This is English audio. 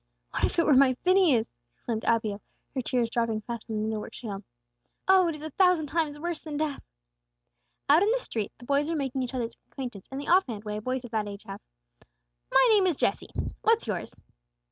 "What if it were my Phineas!" exclaimed Abigail, her tears dropping fast on the needlework she held. "Oh, it is a thousand times worse than death!" Out in the street the boys were making each other's acquaintance in the off hand way boys of that age have. "My name is Jesse. What's yours?"